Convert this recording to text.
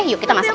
yuk kita masuk